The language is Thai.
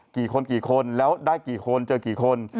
กี่คนกี่คนแล้วได้กี่คนเจอกี่คน